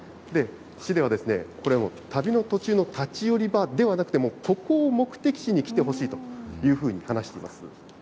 市では、これを旅の途中の立ち寄り場ではなくて、ここを目的地に来てほしいというふうに話しています。